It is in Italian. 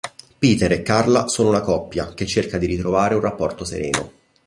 Peter e Carla sono una coppia che cerca di ritrovare un rapporto sereno.